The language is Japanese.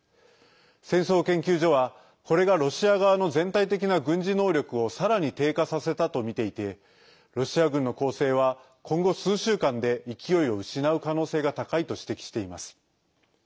戦争研究所は、これがロシア側の全体的な軍事能力をさらに低下させたとみていてロシア軍の攻勢は今後、数週間で勢いを失う可能性が高いと指摘しています。